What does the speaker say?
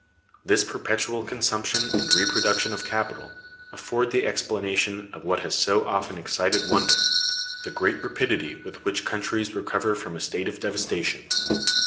This perpetual consumption and reproduction of capital afford the explanation of what has so often excited wonder, the great rapidity with which countries recover from a state of devastation.